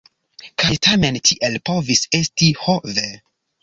Kaj tamen tiel povis esti: ho ve!